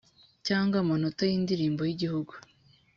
cyangwa amanota y indirimbo y igihugu